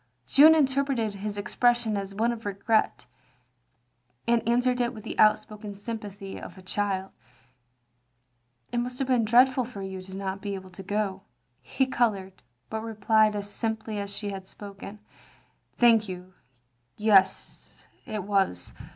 Jeanne interpreted his expression as one of regret, and answered it with the outspoken sjrm pathy of a child: " It must have been dreadful for you not to be able to go." He coloured, but replied as simply as she had spoken :" Thank you, yes, it was.